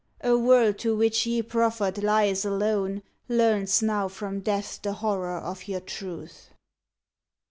A world to which ye proffered lies alone Learns now from Death the horror of your truth.